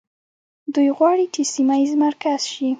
دوی غواړي چې سیمه ییز مرکز شي.